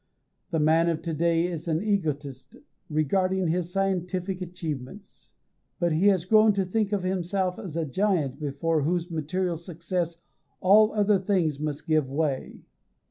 The man of to day is an egotist regarding his scientific achievements. He has grown to think of himself as a giant before whose material success all other things must give way.